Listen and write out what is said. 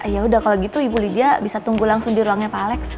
yaudah kalo gitu ibu lydia bisa tunggu langsung di ruangnya pak alex